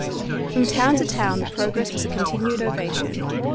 From town to town the progress was a continued ovation.